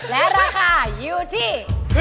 และราคาอยู่ที่